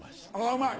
うまい！